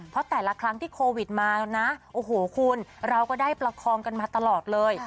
เพราะแต่ละครั้งที่โควิดมานะโอ้โหคุณเราก็ได้ประคองกันมาตลอดเลย